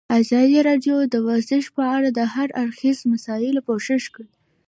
ازادي راډیو د ورزش په اړه د هر اړخیزو مسایلو پوښښ کړی.